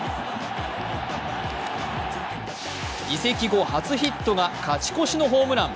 移籍後初ヒットが勝ち越しのホームラン。